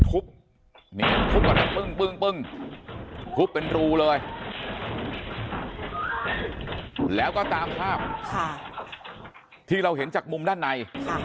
ทุบทุบเป็นรูเลยแล้วก็ตามภาพที่เราเห็นจากมุมด้านใน